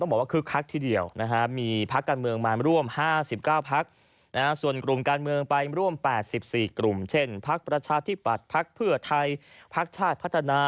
บรรยากาศเป็นอย่างไรพาไปดูบรรยากาศเมื่อวานนะครับ